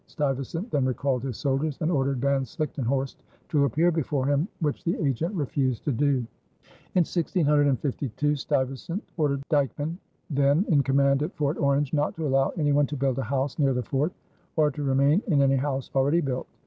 Stuyvesant then recalled his soldiers and ordered Van Slichtenhorst to appear before him, which the agent refused to do. In 1652 Stuyvesant ordered Dyckman, then in command at Fort Orange, not to allow any one to build a house near the fort or to remain in any house already built.